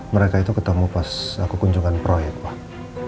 mereka itu ketemu pas aku kunjungan proyek pak